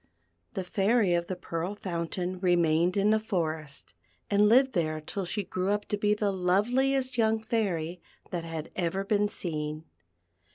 The Fairy of the Pearl Fountain remained in the forest, and lived there till she grew up to be the loveliest young Fairy that had ever been seen.